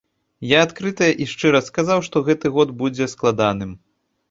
Я адкрыта і шчыра сказаў, што гэты год будзе складаным.